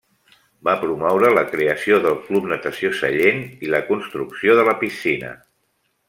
Va promoure la creació del Club Natació Sallent i la construcció de la piscina.